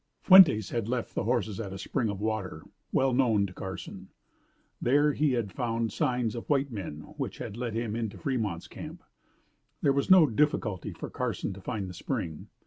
Fuentes had left the horses at a spring of water, well known to Carson. There he had found signs of white men which had led him into Fremont's camp. There was no difficulty for Carson to find the spring.